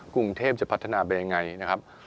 กรุงเทพจะพัฒนาเป็นอย่างไรนะครับ